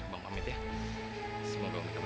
ya udah bang pamit ya semoga umi kamu cepat sembuh